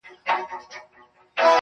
ښكلي چي گوري، دا بيا خوره سي.